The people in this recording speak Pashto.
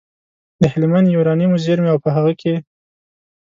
د هلمند یورانیمو زېرمو او په هغه کې